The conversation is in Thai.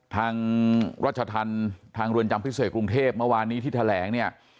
ทางรัชธรรมทางเรือนจำพิเศษกรุงเทพเมื่อวานนี้ที่แถลงเนี่ย